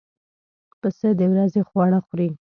پسه د ورځې خواړه خوري.